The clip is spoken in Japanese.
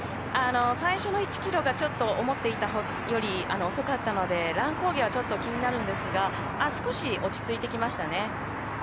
最初の１キロがちょっと思っていたより遅かったので乱高下はちょっと気になるんですが少し落ち着いてきましたね。